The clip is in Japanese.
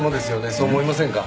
そう思いませんか？